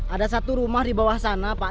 ada satu rumah di bawah sana pak